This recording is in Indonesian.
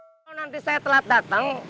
kalau nanti saya telah datang